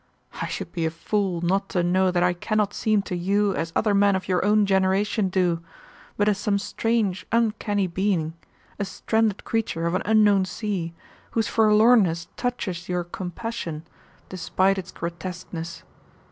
I should be a fool not to know that I cannot seem to you as other men of your own generation do, but as some strange uncanny being, a stranded creature of an unknown sea, whose forlornness touches your compassion despite its grotesqueness.